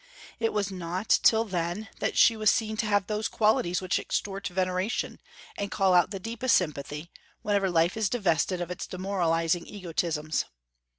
It was not till then that she was seen to have those qualities which extort veneration, and call out the deepest sympathy, whenever life is divested of its demoralizing egotisms.